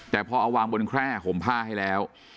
แต่พอเอาวางบนแคร่ห่มผ้าให้แล้ว